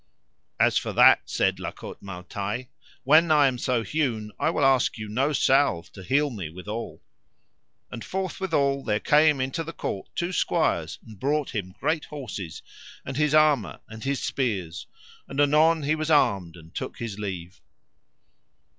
As for that, said La Cote Male Taile, when I am so hewn I will ask you no salve to heal me withal. And forthwithal there came into the court two squires and brought him great horses, and his armour, and his spears, and anon he was armed and took his leave.